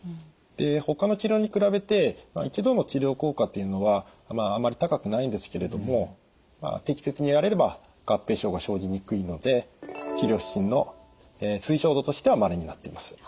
でほかの治療に比べて一度の治療効果っていうのはあまり高くないんですけれども適切にやれれば合併症が生じにくいので治療指針の推奨度としては○になっています。